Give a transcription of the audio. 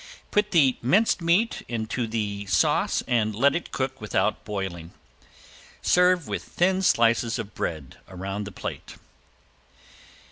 Put the minced meat into the sauce and let it cook without boiling. Serve with thin slices of bread around the plate.